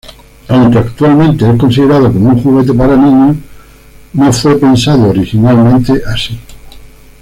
Aunque actualmente es considerado como un juguete para niños, no fue pensado originalmente así.